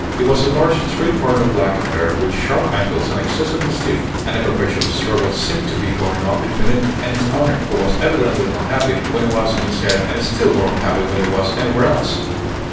It was a large three cornered black affair, with sharp angles and excessively stiff; and a perpetual struggle seemed to be going on between it and its owner, who was evidently unhappy when it was on his head and still more unhappy when it was anywhere else.